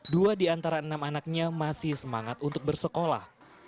dua di antara enam anaknya masih semangat untuk bersekolah